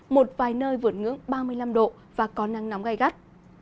một vài nơi vượt ngưỡng ba mươi năm độ và có nắng nóng gai gắt